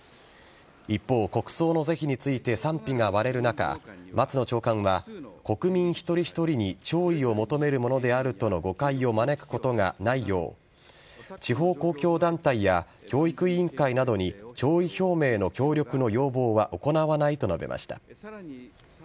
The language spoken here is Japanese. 一方、国葬の是非について賛否が割れる中松野長官は国民一人一人に弔意を求めるものであるとの誤解を招くことがないよう地方公共団体や教育委員会などに弔意表明の協力の要望は行わないと述べました。